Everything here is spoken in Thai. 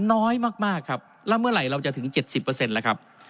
น้อยมากครับแล้วเมื่อไหร่เราจะถึง๗๐แล้วครับ